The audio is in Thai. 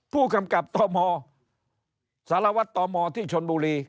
ผู้กำกับตมสารวัตรตมที่ชนบุรี